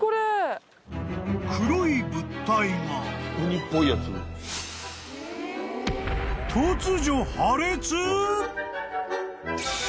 ［黒い物体が突如］